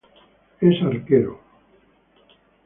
Es Arquero.